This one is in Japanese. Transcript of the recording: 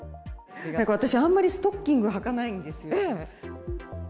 私、あんまりストッキング履かないんですよ。